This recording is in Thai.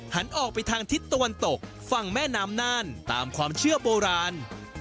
หันออกไปทางทิศตะวันตกฝั่งแม่น้ำน่านตามความเชื่อโบราณ